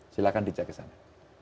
silahkan dijaga sana